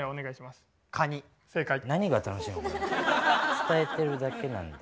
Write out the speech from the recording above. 伝えてるだけなんで。